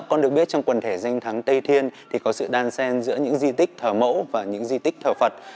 con được biết trong quần thể danh thắng tây thiên thì có sự đan sen giữa những di tích thờ mẫu và những di tích thờ phật